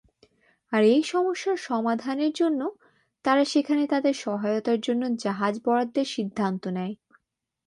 আর এই সমস্যার সমাধানের জন্য তারা সেখানে তাদের সহায়তার জন্য জাহাজ বরাদ্দের সিদ্ধান্ত নেয়।